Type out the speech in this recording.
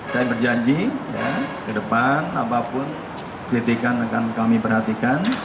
saya berjanji ke depan apapun kritikan akan kami perhatikan